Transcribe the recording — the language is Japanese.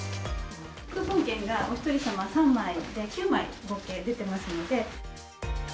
クーポン券がお１人様３枚、９枚、合計で出てますので。